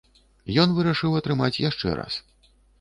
Ён вырашыў атрымаць яшчэ раз.